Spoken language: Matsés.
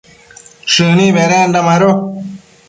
shëni bedenda mado